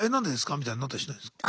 みたいになったりしないんですか？